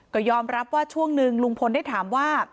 ก็ยอมรับว่าช่วงหนึ่งลุงพลได้ถามว่า